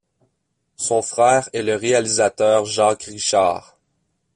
Son frère est le réalisateur Jacques Richard.